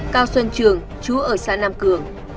cao xuân trường chú ở xã nam cường